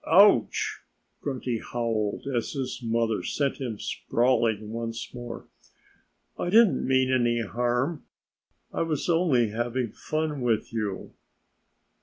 "Ouch," Grunty howled, as his mother sent him sprawling once more. "I didn't mean any harm. I was only having fun with you."